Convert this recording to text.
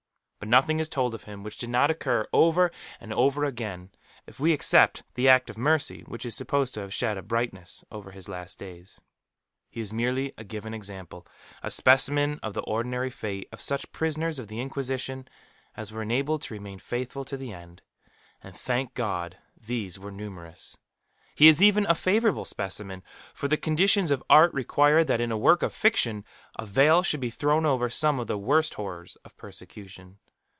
But nothing is told of him which did not occur over and over again, if we except the act of mercy which is supposed to have shed a brightness over his last days. He is merely a given example, a specimen of the ordinary fate of such prisoners of the Inquisition as were enabled to remain faithful to the end; and, thank God, these were numerous. He is even a favourable specimen; for the conditions of art require that in a work of fiction a veil should be thrown over some of the worst horrors of persecution.